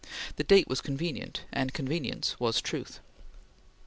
The date was convenient, and convenience was truth.